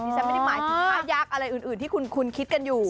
ฉันไม่ได้หมายถึงค่ายักษ์อะไรอื่นที่คุณคิดกันอยู่